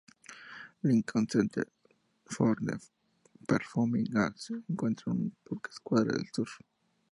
Lincoln Center for the Performing Arts se encuentra a pocas cuadras al sur.